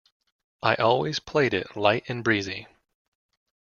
I always played it light and breezy.